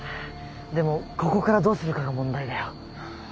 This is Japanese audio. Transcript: でもここからどうするかが問題だよ。